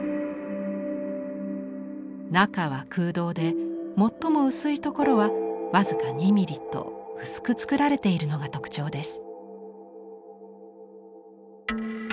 中は空洞で最も薄い所は僅か２ミリと薄く作られているのが特徴です。